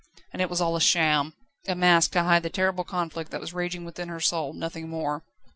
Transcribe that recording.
And it was all a sham! A mask to hide the terrible conflict that was raging within her soul, nothing more.